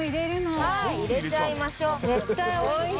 はい入れちゃいましょう。